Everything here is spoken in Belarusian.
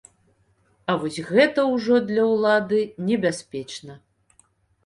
А вось гэта ўжо для ўлады небяспечна.